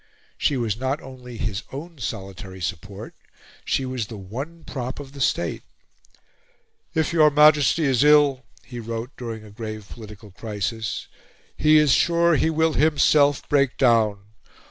She was not only his own solitary support; she was the one prop of the State. "If your Majesty is ill," he wrote during a grave political crisis, "he is sure he will himself break down.